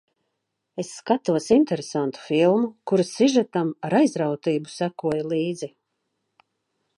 Es skatos interesantu filmu, kuras sižetam ar aizrautību sekoju līdzi.